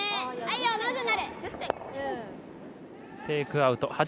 テイクアウト。